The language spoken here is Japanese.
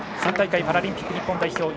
３大会パラリンピック日本代表